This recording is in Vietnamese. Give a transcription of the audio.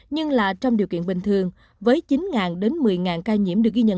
nhưng là trong điều kiện bình thường với chín đến một mươi ca nhiễm được ghi nhận